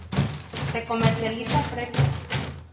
Se comercializa fresco